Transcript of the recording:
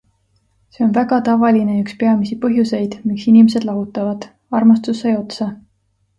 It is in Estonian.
See on väga tavaline ja üks peamisi põhjuseid, miks inimesed lahutavad - armastus sai otsa.